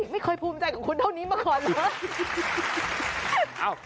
ไม่เคยภูมิใจกับคุณเท่านี้มาก่อนเหรอ